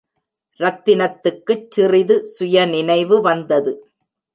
ரத்தினத்துக்குச் சிறிது சுயநினைவு வந்தது.